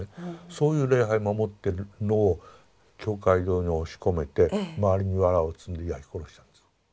そういう礼拝を守ってるのを教会堂に押し込めて周りにわらを積んで焼き殺したんです。